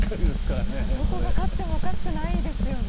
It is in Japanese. どこが勝ってもおかしくないですよね。